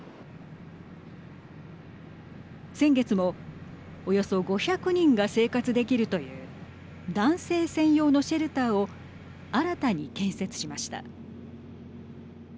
先月もおよそ５００人が生活できるという男性専用のシェルターを新たに建設しました。